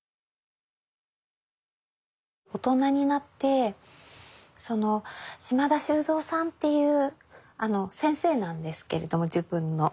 大人になって島田修三さんっていう先生なんですけれども自分の。